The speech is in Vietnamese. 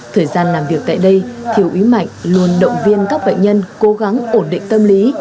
thời gian làm việc tại đây thiếu ý mạnh luôn động viên các bệnh nhân cố gắng ổn định tâm lý